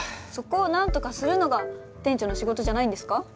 そこをなんとかするのが店長の仕事じゃないんですか？